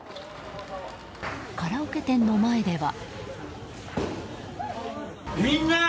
カラオケ店の前では。